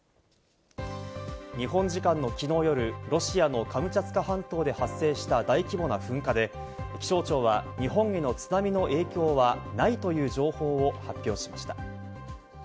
日本時間の昨日夜、ロシアのカムチャツカ半島で発生した大規模な噴火で、気象庁は日本への津波の影響はないという情報を発表しました。